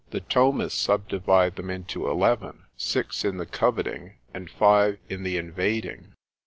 The Thomists subdivide them into eleven, six in the coveting, and five in the invading.